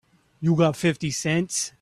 You got fifty cents?